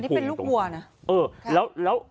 อันนี้เป็นลูกวัวนะ